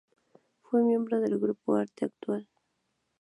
Fue miembro del grupo "Arte Actual".